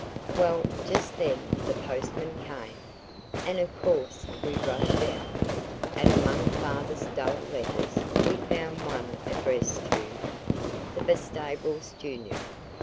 Well, just then the postman came, and of course we rushed out, and among Father's dull letters we found one addressed to "The Bastables Junior."